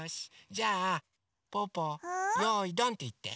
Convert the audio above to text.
じゃあぽぅぽ「よいどん」っていって。